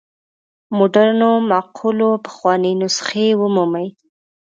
مډرنو مقولو پخوانۍ نسخې ومومي.